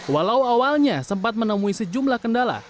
walau awalnya sempat menemui sejumlah kendala